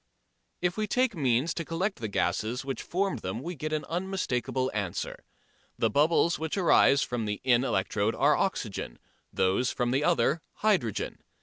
If we take means to collect the gases which formed them we get an unmistakable answer. The bubbles which arise from the in electrode are oxygen, those from the other hydrogen.